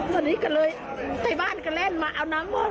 สันนี้กันเลยที่บ้านเขาเล่นมาเอาน้ำมอด